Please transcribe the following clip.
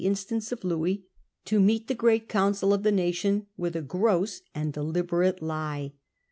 instance of Louis, to meet the great council of the nation with a gross and deliberate lie.